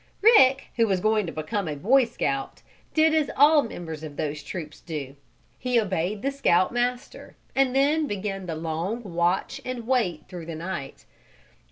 Rick, who was going to become a Boy Scout, did as all members of those troops do he obeyed the Scout Master, and then began the long watch and wait through the night.